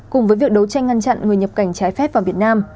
cùng với việc đấu tranh ngăn chặn người nhập cảnh trái phép vào việt nam